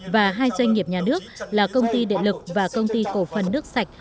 và hai doanh nghiệp nhà nước là công ty điện lực và công ty cổ phần nước sạch